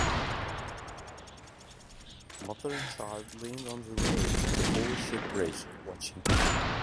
Mother and child leaned on the rail of the old sheep-bridge, watching.